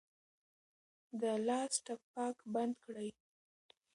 د لاس ټپ پاک بند کړئ.